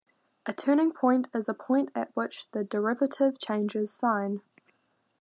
A turning point is a point at which the derivative changes sign.